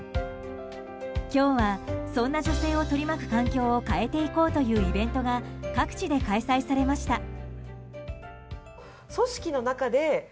今日は、そんな女性を取り巻く環境を変えていこうというイベントが各地で開催されました。